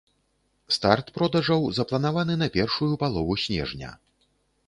Старт продажаў запланаваны на першую палову снежня.